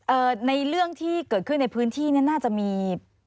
ในเรื่องที่เกิดขึ้นในพื้นที่เนี่ยน่าจะมี